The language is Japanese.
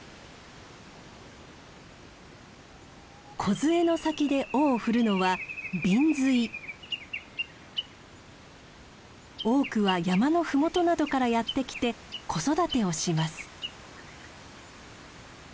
梢の先で尾を振るのは多くは山の麓などからやって来て子育てをします。